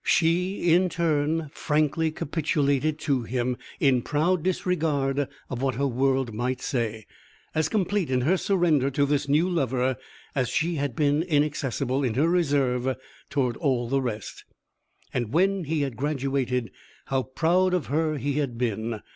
She, in turn, frankly capitulated to him, in proud disregard of what her world might say, as complete in her surrender to this new lover as she had been inaccessible in her reserve toward all the rest. And when he had graduated, how proud of her he had been!